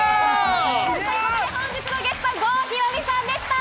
本日のゲスト・郷ひろみさんでした！